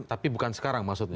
tapi bukan sekarang maksudnya